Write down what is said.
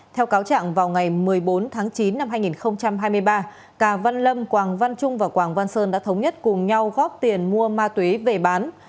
theo cáo trạng vào ngày một mươi bốn tháng chín năm hai nghìn hai mươi ba cà văn lâm quảng văn trung và quảng văn sơn đã thống nhất cùng nhau góp tiền mua ma túy về bán